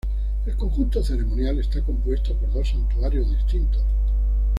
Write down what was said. El conjunto ceremonial está compuesto por dos santuarios distintos.